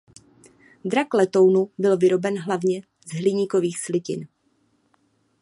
Drak letounu byl vyroben hlavně z hliníkových slitin.